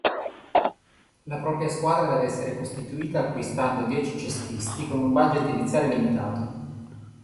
La propria squadra deve essere costituita acquistando dieci cestisti, con un budget iniziale limitato.